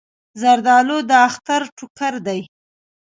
زردالو د اختر ټوکر دی.